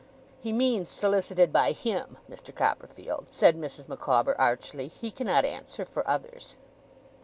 'He means, solicited by him, Mr. Copperfield,' said Mrs. Micawber, archly. 'He cannot answer for others.